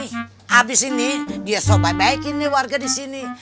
habis ini dia sobat baikin nih warga di sini